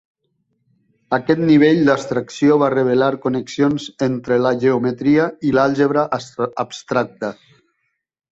Aquest nivell d'abstracció va revelar connexions entre la geometria i l'àlgebra abstracta.